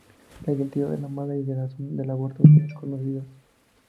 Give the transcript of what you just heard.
La identidad de la madre y la razón del aborto son desconocidas.